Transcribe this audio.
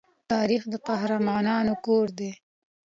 تاریخ د قهرمانانو کور دی.